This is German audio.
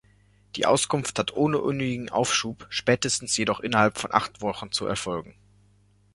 Die Auskunft hat ohne unnötigen Aufschub, spätestens jedoch innerhalb von acht Wochen zu erfolgen.